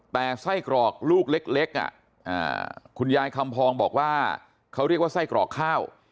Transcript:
แต่ไส้กรอกลูกเล็กคุณยายคำพองบอกว่าเขาเรียกว่าไส้กรอกข้าว